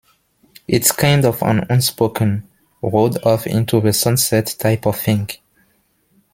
It's kind of an unspoken, rode off into the sunset type of thing.